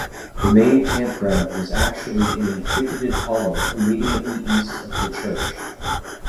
The main campground was actually in a thicketted hollow immediately east of the church.